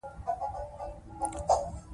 د سالمې کورنۍ د مور په پوهه قوي کیږي.